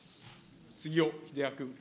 杉尾秀哉君。